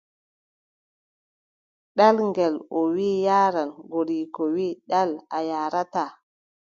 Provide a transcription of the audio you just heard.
Ɗal ngel, o wii o yaaran, goriiko wii : ɗal a yaarataa.